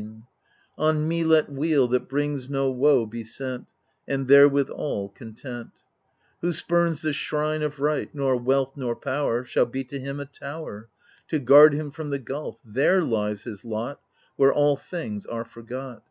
AGAMEMNON 19 On me let weal that brings no woe be sent, And therewithal, content I Who spurns the shrine of Right, nor wealth nor power Shall be to him a tower, To guard him from the gulf: there lies his lot. Where all things are forgot.